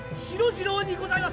次郎にございます！